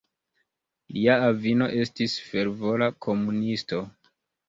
Lia avino estis fervora komunisto.